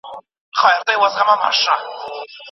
زه د حق په نوم راغلی زه له خپلي ژبي سوځم